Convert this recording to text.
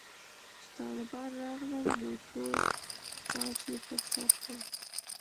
چې طالبان راغلل نو تور پاج يې پر سر کړ.